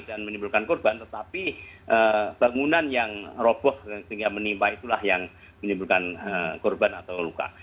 dan menimbulkan korban tetapi bangunan yang roboh sehingga menimpa itulah yang menimbulkan korban atau luka